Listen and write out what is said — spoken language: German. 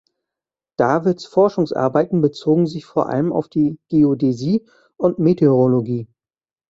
Davids Forschungsarbeiten bezogen sich vor allem auf die Geodäsie und Meteorologie.